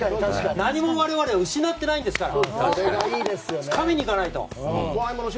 何も我々、失ってないですから。